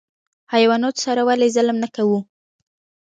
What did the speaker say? حیواناتو سره ولې ظلم نه کوو؟